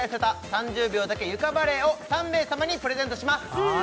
３０秒だけ床バレエ」を３名様にプレゼントします